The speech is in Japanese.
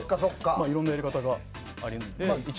いろんなやり方があって。